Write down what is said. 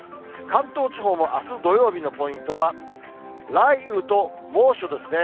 関東地方もあす土曜日のポイントは、雷雨と猛暑ですね。